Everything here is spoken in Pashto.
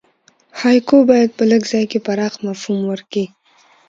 هایکو باید په لږ ځای کښي پراخ مفهوم ورکي.